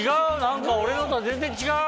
何か俺のとは全然違う。